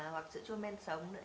hoặc sữa chua men sống nữa